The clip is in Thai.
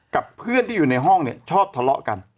กับเพื่อนที่อยู่ในห้องเนี่ยชอบทะเลาะกัน